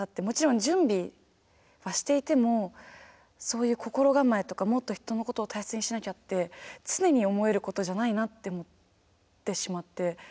もちろん準備はしていてもそういう心構えとかもっと人のことを大切にしなきゃって常に思えることじゃないなって思ってしまって。